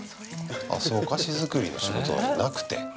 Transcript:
あ、お菓子作りの仕事じゃなくて。